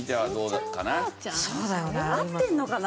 合ってるのかな？